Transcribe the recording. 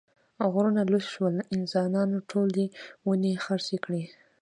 غرونه لوڅ شول، انسانانو ټولې ونې خرڅې کړې.